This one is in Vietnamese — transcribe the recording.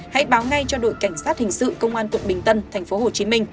hãy báo ngay cho đội cảnh sát hình sự công an quận bình tân tp hcm